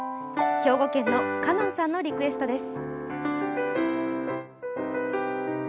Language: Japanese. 兵庫県のかのんさんのリクエストです。